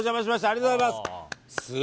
ありがとうございます。